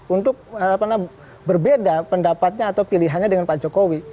untuk berbeda pendapatnya atau pilihannya dengan pak jokowi